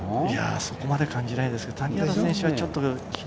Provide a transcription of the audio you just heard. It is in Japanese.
そこまで感じないです。